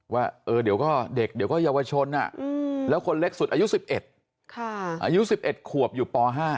ว่าเดี๋ยวก็เด็กเดี๋ยวก็เยาวชนแล้วคนเล็กสุดอายุ๑๑อายุ๑๑ขวบอยู่ป๕